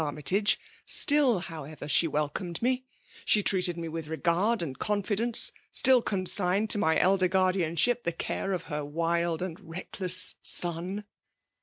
Arraytage, — still, however, she welcomed me — still treated me with regard and con fidence— still consigned to my elder guar dianship the care of her wild and ifockless son."